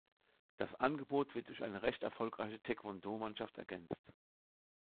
Das Angebot wird durch eine recht erfolgreiche Taekwon-Do-Mannschaft ergänzt.